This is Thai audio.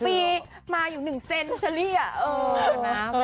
๑ปีมาอยู่๑เซนชัลลี่อะ